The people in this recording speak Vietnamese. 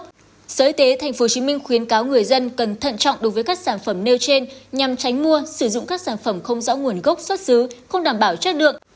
trước đó sở y tế tp hcm khuyến cáo người dân cần thận trọng đối với các sản phẩm nêu trên nhằm tránh mua sử dụng các sản phẩm không rõ nguồn gốc xuất xứ không đảm bảo chất lượng